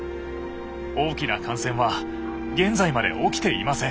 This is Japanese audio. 大きな感染は現在まで起きていません。